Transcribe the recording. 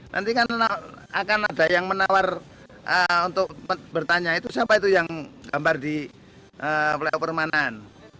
nanti kan akan ada yang menawar untuk bertanya itu siapa itu yang gambar di flyover manahan